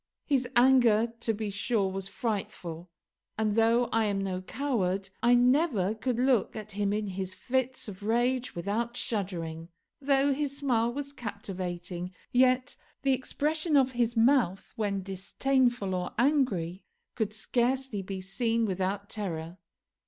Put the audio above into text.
His anger, to be sure, was frightful, and though I am no coward, I never could look at him in his fits of rage without shuddering. Though his smile was captivating, yet the expression of his mouth when disdainful or angry could scarcely be seen without terror.